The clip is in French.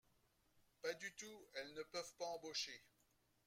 Pas du tout, elles ne peuvent pas embaucher